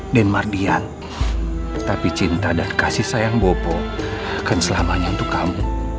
denmar dian tapi cinta dan kasih sayang boko kan selamanya untuk kamu